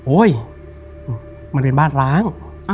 มันเป็นบ้านร้าง